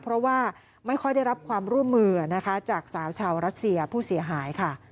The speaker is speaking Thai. เพราะว่าไม่ค่อยได้รับความร่วมมือนะคะจากสาวชาวรัสเซียผู้เสียหายค่ะ